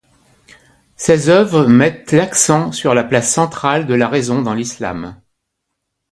Ses œuvres mettent l'accent sur la place centrale de la raison dans l'islam.